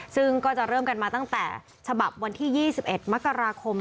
ซึ่งก็จะเริ่มกันมาตั้งแต่ฉบับวันที่๒๑มกราคม